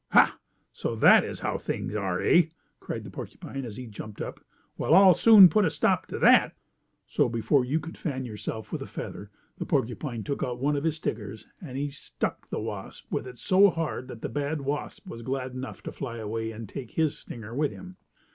"Ha! So that is how things are, eh?" cried the porcupine, as he jumped up. "Well, I'll soon put a stop to that!" So, before you could fan yourself with a feather, the porcupine took out one of his stickers, and he stuck the wasp with it so hard that the bad wasp was glad enough to fly away, taking his stinger with him.